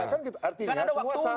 kan ada waktunya semua